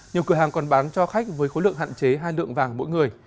nhiều cửa hàng còn bán cho khách với khối lượng hạn chế hai lượng vàng mỗi người